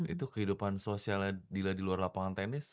itu kehidupan sosialnya dila di luar lapangan tenis